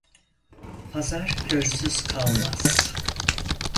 Pazar körsüz kalmaz.